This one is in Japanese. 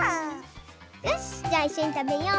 よしじゃあいっしょにたべよう。